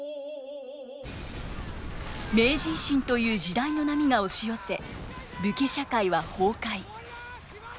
明治維新という時代の波が押し寄せ武家社会は崩壊。